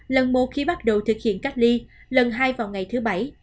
lần một khi bắt đầu thực hiện cách ly lần hai vào ngày thứ bảy